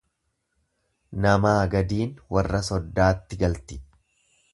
Namaa gadiin warra soddaatti galti.